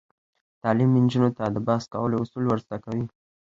تعلیم نجونو ته د بحث کولو اصول ور زده کوي.